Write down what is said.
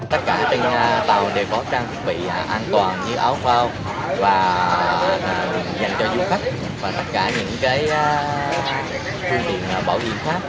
tất cả tầng tàu đều có trang phục bị an toàn như áo phao và dành cho du khách và tất cả những cái phương tiện bảo hiểm khác